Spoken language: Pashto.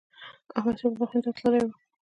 احمد شاه بابا هند ته تللی و.